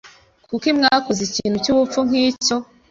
Kuki wakoze ikintu cyubupfu nkicyo?